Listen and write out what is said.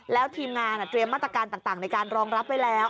แล้วทีมงานเตรียมมาตรการต่างในการรองรับไว้แล้ว